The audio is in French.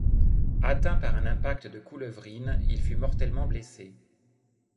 Atteint par un impact de couleuvrine, il fut mortellement blessé.